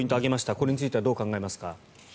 これについてはどうお考えですか。